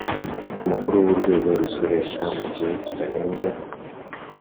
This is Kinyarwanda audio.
Mukuru w urwego rusoresha mu gihe kitarenze